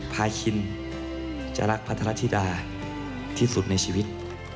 พาคินจะรักพัทรธิดาที่สุดในชีวิต